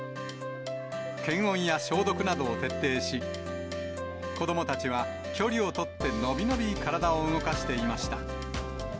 検温や消毒などを徹底し、子どもたちは距離を取って伸び伸び体を動かしていました。